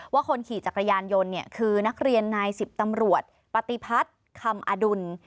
คนขี่จักรยานยนต์คือนักเรียนนายสิบตำรวจปฏิพัฒน์คำอดุล